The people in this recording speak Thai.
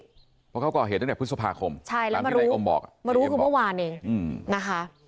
เพราะเขาก่อเหตุตั้งแต่พฤษภาคมใช่แล้วมารู้อมบอกมารู้คือเมื่อวานเองนะคะ